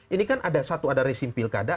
ini kan ada satu ada resim pilkada